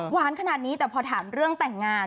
หวานขนาดนี้แต่พอถามเรื่องแต่งงาน